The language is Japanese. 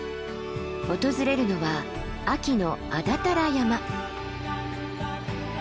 訪れるのは秋の安達太良山。